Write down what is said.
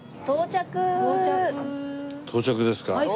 到着ですか？